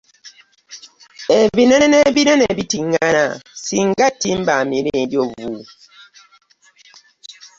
Ebinene ne binene bitingana singa ttiba amira enjovu.